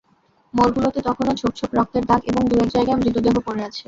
মোড়গুলোতে তখনো ছোপ ছোপ রক্তের দাগ এবং দু-এক জায়গায় মৃতদেহ পড়ে আছে।